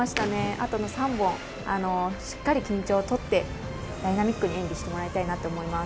あとの３本しっかり緊張を取ってダイナミックに演技してもらいたいなと思います。